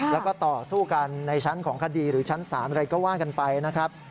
แล้วก็ต่อสู้กันในชั้นของคดีหรือชั้นศาลอะไรก็ว่ากันไปนะครับ